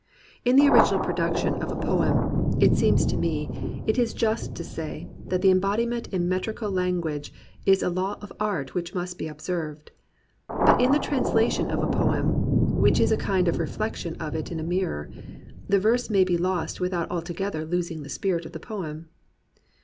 In the original production of a 38 POETRY IN THE PSALMS poem, it seems to me, it is just to say that the em bodiment in metrical language is a law of art which must be observed. But in the translation of a poem (which is a kind of reflection of it in a mirror) the verse may be lost without altogether losing the spirit of the poem.